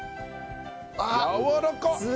あっすごい！やわらかっ！